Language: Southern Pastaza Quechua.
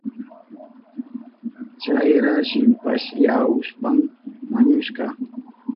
Chayra shipasyahushpan wañushka.